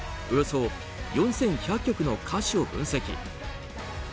およそ４１００曲の歌詞を分析。